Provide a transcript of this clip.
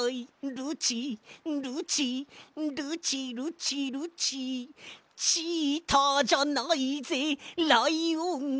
「ルチルチルチルチルチ」「チーターじゃないぜライオンさ」